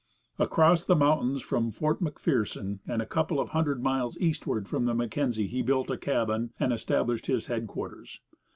Across the mountains from Fort Macpherson, and a couple of hundred miles eastward from the Mackenzie, he built a cabin and established his headquarters.